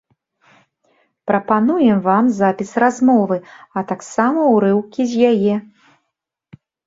Прапануем вам запіс размовы, а таксама ўрыўкі з яе.